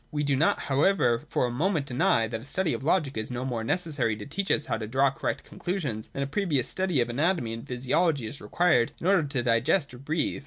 We do not, however, for a moment deny that a study of Logic is no more necessary to teach us how to draw correct conclusions, than a previous study of anatomy and physiology is required in order to digest or breathe.